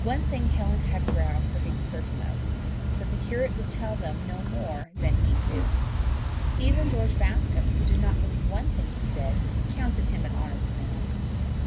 One thing Helen had ground for being certain of that the curate would tell them no more than he knew. Even George Bascombe, who did not believe one thing he said, counted him an honest man!